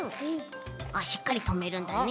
あっしっかりとめるんだね。